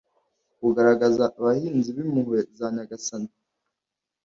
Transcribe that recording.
ugaragaza abahinzi b'impuhwe za nyagasani